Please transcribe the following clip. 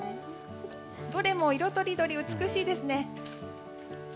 どれも色とりどりで美しいですね。